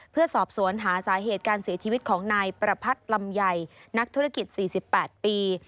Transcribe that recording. เพื่อสอบสวนหาสาเหตุการเสียชีวิตของนายประพัทธ์ลำไยนักธุรกิจ๔๘ปี